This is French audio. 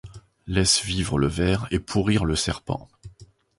Laisse vivre le ver et pourrir le serpent.